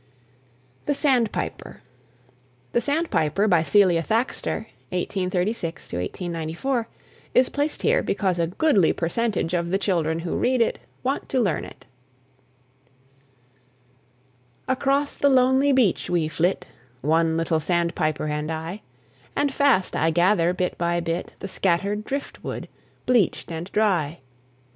THE SANDPIPER. "The Sandpiper," by Celia Thaxter (1836 94), is placed here because a goodly percentage of the children who read it want to learn it. Across the lonely beach we flit, One little sandpiper and I, And fast I gather, bit by bit, The scattered driftwood, bleached and dry.